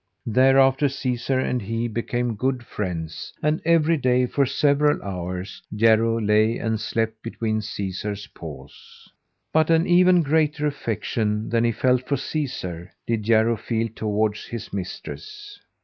Thereafter Caesar and he became good friends, and every day, for several hours, Jarro lay and slept between Caesar's paws. But an even greater affection than he felt for Caesar, did Jarro feel toward his mistress.